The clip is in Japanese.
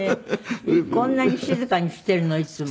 「こんなに静かにしているの？いつも」